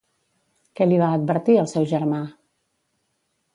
Què li va advertir al seu germà?